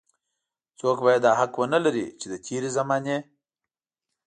څوک بايد دا حق ونه لري چې د تېرې زمانې.